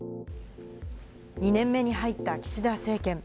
２年目に入った岸田政権。